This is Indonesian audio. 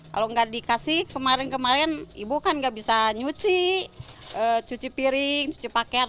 kalau nggak dikasih kemarin kemarin ibu kan nggak bisa nyuci cuci piring cuci pakaian